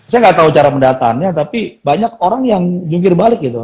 saya nggak tahu cara pendataannya tapi banyak orang yang jungkir balik gitu